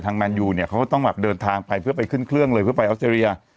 แมนยูเนี่ยเขาก็ต้องแบบเดินทางไปเพื่อไปขึ้นเครื่องเลยเพื่อไปออสเตรเลีย